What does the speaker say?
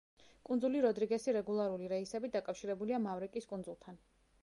კუნძული როდრიგესი რეგულარული რეისებით დაკავშირებულია მავრიკის კუნძულთან.